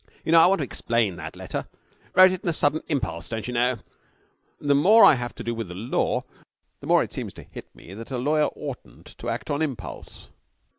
'You know, I want to explain that letter. Wrote it on a sudden impulse, don't you know. The more I have to do with the law, the more it seems to hit me that a lawyer oughtn't to act on impulse.